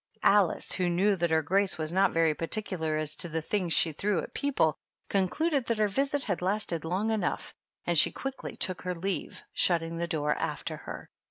Alice, who knew that her Grace was not very particular as to the things she threw at people, concluded that her visit had lasted long enough, and she quickly took her leave, shutting the door after her.